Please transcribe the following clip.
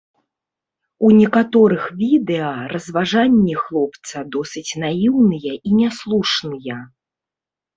У некаторых відэа разважанні хлопца досыць наіўныя і не слушныя.